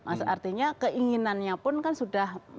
artinya keinginannya pun kan sudah memiliki